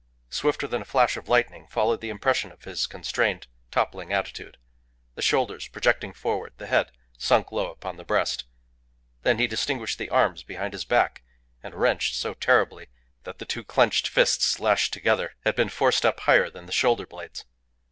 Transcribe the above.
Swifter than a flash of lightning followed the impression of his constrained, toppling attitude the shoulders projecting forward, the head sunk low upon the breast. Then he distinguished the arms behind his back, and wrenched so terribly that the two clenched fists, lashed together, had been forced up higher than the shoulder blades.